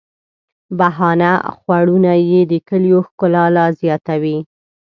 بهاند خوړونه یې د کلیو ښکلا لا زیاتوي.